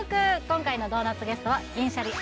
今回のドーナツゲストは銀シャリ